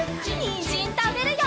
にんじんたべるよ！